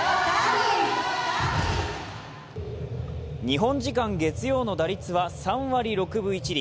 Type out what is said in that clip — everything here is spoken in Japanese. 日本時間月曜の打率は３割６分１厘